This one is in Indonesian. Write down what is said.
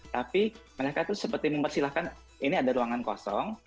tapi mereka itu seperti mempersilahkan ini ada ruangan kosong